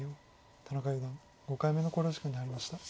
田中四段５回目の考慮時間に入りました。